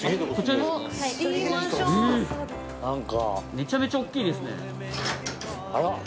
めちゃめちゃ大きいですね。